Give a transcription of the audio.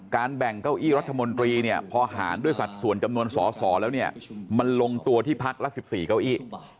แบ่งเก้าอี้รัฐมนตรีเนี่ยพอหารด้วยสัดส่วนจำนวนสอสอแล้วเนี่ยมันลงตัวที่พักละ๑๔เก้าอี้